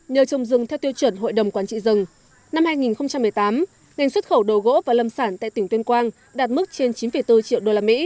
nhờ trồng rừng theo tiêu chuẩn hội đồng quản trị rừng năm hai nghìn một mươi tám ngành xuất khẩu đồ gỗ và lâm sản tại tỉnh tuyên quang đạt mức trên chín bốn triệu usd